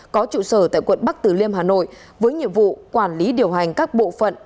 có trụ sở tại quận bắc tử liêm hà nội với nhiệm vụ quản lý điều hành các bộ phận